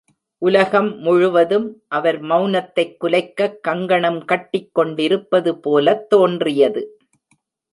உலகம் முழுவதும் அவர் மெளனத்தைக் குலைக்கக் கங்கணம் கட்டிக் கொண்டிருப்பது போலத் தோன்றியது.